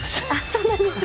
そうなんですよ。